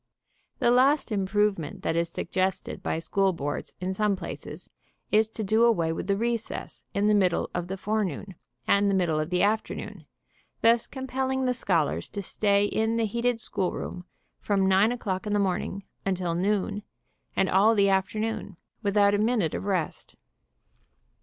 The last "improvement" that is suggested by school boards in some places is to do away with the recess in the middle of the fore noon and the middle of the afternoon, thus compel ling the scholars to stay in the heated schoolroom from 9 o'clock in the morning until noon, and all the afternoon, without a minute of rest.